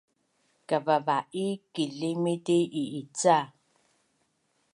Kavava’i kilimiti i’ica?